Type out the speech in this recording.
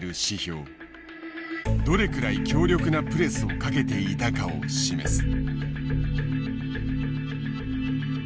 どれくらい強力なプレスをかけていたかを示す。